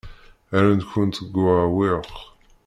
Rran-kent deg uɛewwiq.